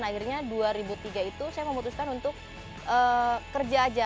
akhirnya dua ribu tiga itu saya memutuskan untuk kerja aja